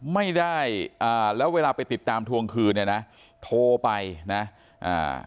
ไม่ได้อ่าแล้วเวลาไปติดตามทวงคืนเนี่ยนะโทรไปนะอ่า